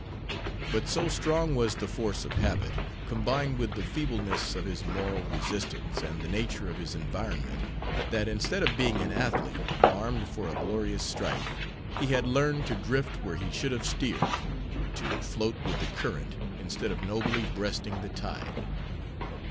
But so strong was the force of habit, combined with the feebleness of his moral resistance and the nature of his environment, that instead of being an athlete, armed for a glorious strife, he had learned to drift where he should have steered, to float with the current instead of nobly breasting the tide.